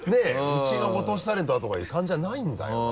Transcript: うちのご当地タレントがとかいう感じじゃないんだよな。